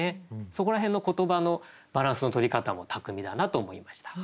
そこら辺の言葉のバランスのとり方も巧みだなと思いました。